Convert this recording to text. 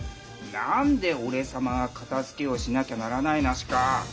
なんでおれさまがかたづけをしなきゃならないナシか！？